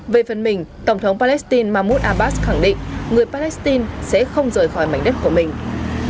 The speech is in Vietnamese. về phần mình tổng thống palestine mahmoud abbas khẳng định người palestine sẽ không rời khỏi mảnh đất của mình